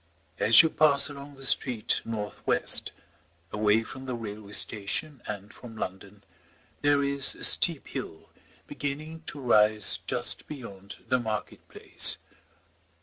As you pass along the street north west, away from the railway station and from London, there is a steep hill, beginning to rise just beyond the market place.